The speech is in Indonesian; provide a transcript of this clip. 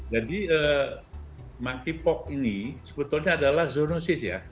jadi monkeypox ini sebetulnya adalah zoonosis ya